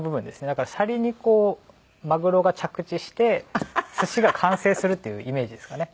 だからシャリにこうマグロが着地してすしが完成するっていうイメージですかね。